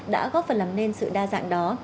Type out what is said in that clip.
đã góp phần làm nên sự đa dạng đó